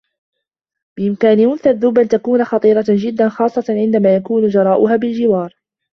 بإمكان أنثى الدّب أن تكون خطيرة جدّا، خاصّة عندما يكون جراؤها بالجوار.